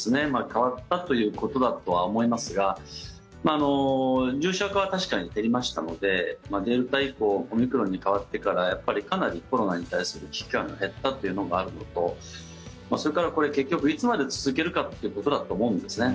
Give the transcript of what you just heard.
変わったということだとは思いますが重症化は確かに減りましたのでデルタ以降オミクロンに変わってからかなりコロナに対する危機感が減ったというのがあるのとそれから結局、いつまで続けるかということだと思うんですね。